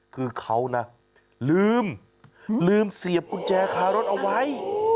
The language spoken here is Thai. คือเขานะลืมลืมเสียบกุญแจคารถเอาไว้